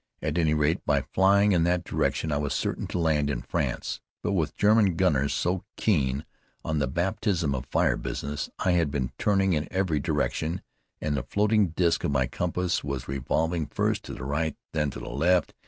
At any rate, by flying in that direction I was certain to land in France. But with German gunners so keen on the baptism of fire business, I had been turning in every direction, and the floating disk of my compass was revolving first to the right, then to the left.